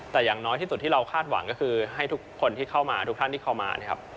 แต่อย่างน้อยที่สุดที่เราคาดหวังก็คือให้ทุกคนที่เข้ามาทุกท่านที่เข้ามานะครับ